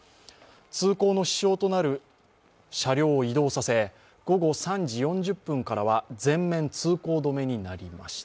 通行の支障となる車両を移動させ午後３時４０分からは全面通行止めになりました。